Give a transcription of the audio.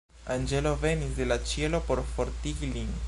Anĝelo venis de la ĉielo por fortigi lin.